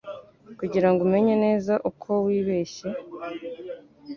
kugirango umenye neza uko wibeshye